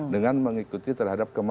dengan mengikuti terhadap kemampuan